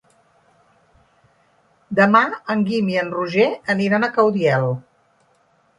Demà en Guim i en Roger aniran a Caudiel.